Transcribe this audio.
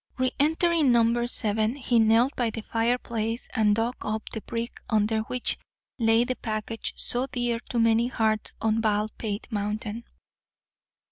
Re entering number seven, he knelt by the fireplace and dug up the brick under which lay the package so dear to many hearts on Baldpate Mountain.